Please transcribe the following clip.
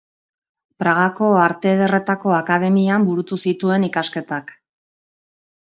Pragako Arte Ederretako Akademian burutu zituen ikasketak.